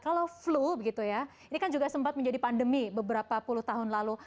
kalau flu ini kan juga sempat menjadi pandemi beberapa puluh tahun lalu